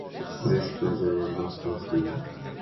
Isler played in both matches.